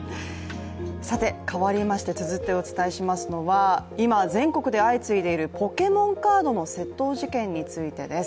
変わりまして、続いてお伝えしますのは今、全国で相次いでいるポケモンカードの窃盗事件についてです。